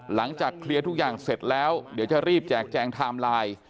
หลังจากเคลียร์ทุกอย่างเสร็จแล้วเดี๋ยวจะรีบแจกแจงไทม์ไลน์